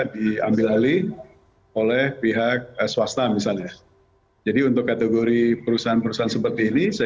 diambil alih oleh pihak swasta misalnya jadi untuk kategori perusahaan perusahaan seperti ini saya